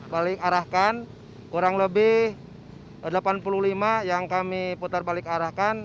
balik arahkan kurang lebih delapan puluh lima yang kami putar balik arahkan